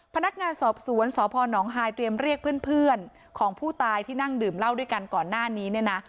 พนักงานสอบสวนสพนฮายเตรียมเรียกเพื่อนของผู้ตายที่นั่งดื่มเหล้าด้วยกันก่อนหน้านี้เนี่ยนะ